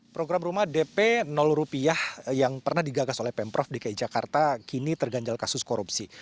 program rumah dp rupiah yang pernah digagas oleh pemprov dki jakarta kini terganjal kasus korupsi